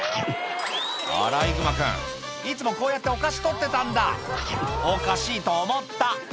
アライグマ君いつもこうやってお菓子取ってたんだオカシいと思った！